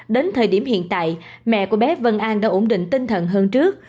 đến thời điểm hiện tại mẹ của bé vân an đã ổn định tinh thần hơn trước